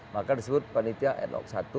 maka disebut panitia ad hoc satu